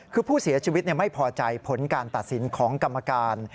คือผู้เสียชีวิตไม่พอใจผลการตัดสินของกรรมการ